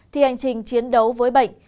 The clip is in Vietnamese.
thì hành trình chiến đấu với bệnh